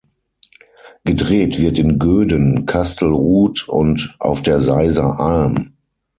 Gedreht wird in Gröden, Kastelruth und auf der Seiser Alm.